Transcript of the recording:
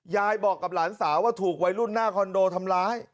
ยายบอกกับหลานสาวว่าถูกวัยรุ่นหน้าคอนโดทำร้าย